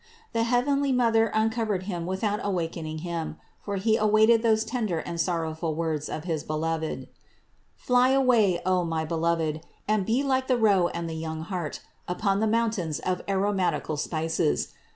The heavenly Mother uncovered Him without awakening Him; for He awaited those tender and sorrowful words of his Beloved : "Fly away, O my Beloved, and be like the roe and the young hart upon the mountains of aromatical spices.